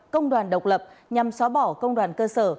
công đoàn độc lập nhằm xóa bỏ công đoàn cơ sở